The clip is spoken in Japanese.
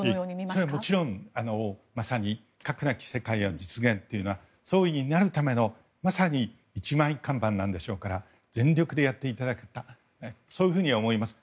それはもちろん、まさに核なき世界の実現というのは総理になるためのまさに一枚看板なんでしょうから全力でやっていただきたいと思います。